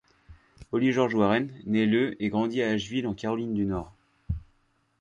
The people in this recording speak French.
Holly George-Warren naît le et grandit à Asheville, en Caroline du Nord.